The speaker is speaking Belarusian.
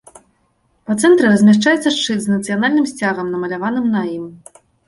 Па цэнтры размяшчаецца шчыт з нацыянальным сцягам, намаляваным на ім.